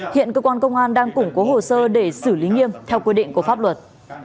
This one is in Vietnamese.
hiện cơ quan công an đang củng cố hồ sơ để xử lý nghiêm theo quy định của pháp luật